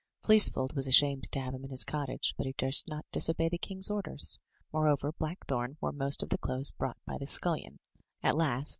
Fleecefold was ashamed to have him in his cottage, but he durst not disobey the king's orders. Moreover, Blackthorn wore most of the clothes brought by the scullion. At last.